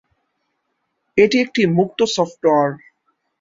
এটি একটি মুক্ত সফটওয়্যার।